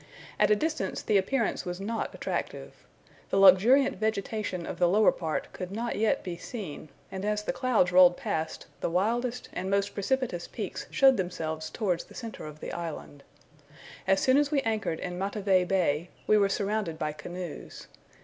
At a distance the appearance was not attractive. The luxuriant vegetation of the lower part could not yet be seen, and as the clouds rolled past, the wildest and most precipitous peaks showed themselves towards the centre of the island. As soon as we anchored in Matavai Bay, we were surrounded by canoes.